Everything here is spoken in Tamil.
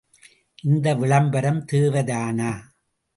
இந்த விளம்பரம் தேவைதானா?